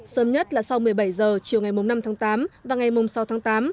sớm nhất là sau một mươi bảy h chiều ngày năm tháng tám và ngày sáu tháng tám